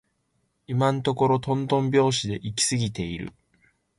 今のところとんとん拍子で行き過ぎている